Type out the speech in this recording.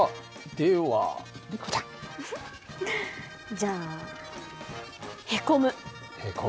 じゃあへこむ。